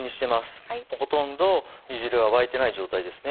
はいほとんど煮汁は沸いてない状態ですね